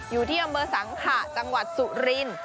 อยู่ที่อำเภอสังขะจังหวัดสุรินทร์